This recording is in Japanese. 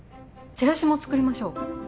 チラシも作りましょう。